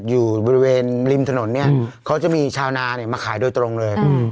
อยู่บริเวณริมถนนเนี่ยเขาจะมีชาวนาเนี่ยมาขายโดยตรงเลย